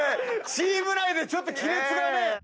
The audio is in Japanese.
チーム内でちょっと亀裂がね。